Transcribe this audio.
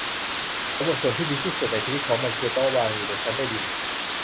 สำหรับส่วนที่ดีที่สุดในชีวิตของมันคือ โต๊ะวางอยู่ในชั้นใต้ดิน